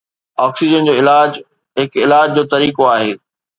oxygen جو علاج هڪ علاج جو طريقو آهي